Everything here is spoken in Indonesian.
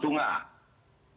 yang ada di rumah